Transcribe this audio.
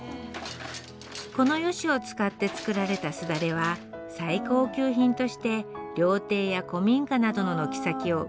このヨシを使って作られたすだれは最高級品として料亭や古民家などの軒先を美しく彩っています